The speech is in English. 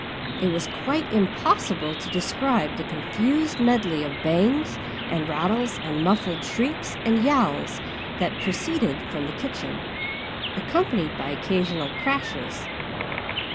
It was quite impossible to describe the confused medley of bangs and rattles and muffled shrieks and yowls that proceeded from the kitchen, accompanied by occasional crashes.